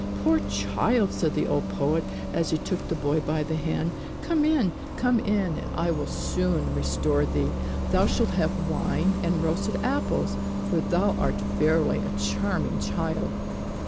"Poor child!" said the old poet, as he took the boy by the hand. "Come in, come in, and I will soon restore thee! Thou shalt have wine and roasted apples, for thou art verily a charming child!"